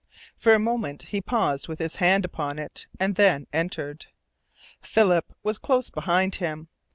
For a moment he paused with his hand upon it, and then entered. Philip was close behind him.